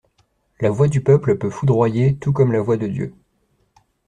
La voix du peuple peut foudroyer tout comme la voix de Dieu.